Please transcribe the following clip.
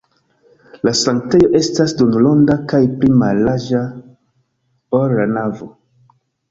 La sanktejo estas duonronda kaj pli mallarĝa, ol la navo.